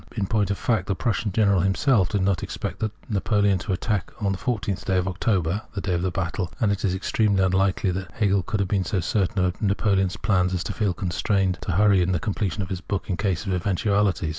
In point of fact, the Prussian General himself did not expect Napoleon to attack on the 14th of October (the day of the battle) ; and it is extremely unlikely that Hegel could have been so certain of Napoleon's plans as to feel constrained to hurry on the completion of his book in case of eventuahties.